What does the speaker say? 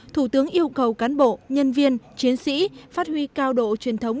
thủ tướng yêu cầu cán bộ nhân viên chiến sĩ phát huy cao độ truyền thống